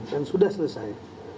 dan sudah selesai